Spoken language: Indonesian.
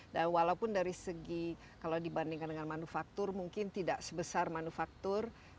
dan walaupun dari segi kalau dibandingkan dengan manufaktur mungkin tidak sebesar manufaktur